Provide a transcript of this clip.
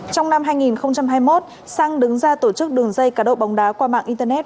trong năm hai nghìn hai mươi một sang đứng ra tổ chức đường dây cá độ bóng đá qua mạng internet